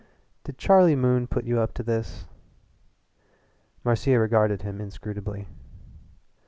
"Did Charlie Moon put you up to this?" Marcia regarded him inscrutably.